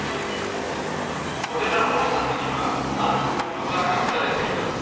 これらのおさつにはあるくふうがかくされています